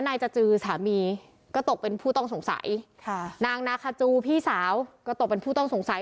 นายจจือสามีก็ตกเป็นผู้ต้องสงสัยค่ะนางนาคาจูพี่สาวก็ตกเป็นผู้ต้องสงสัย